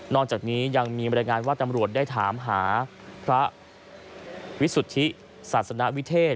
จากนี้ยังมีบรรยายงานว่าตำรวจได้ถามหาพระวิสุทธิศาสนวิเทศ